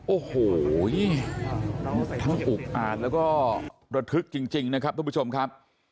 โอ้โหทั้งอุกอ่านแล้วก็ระทึกจริงนะครับทุกผู้ชมครับ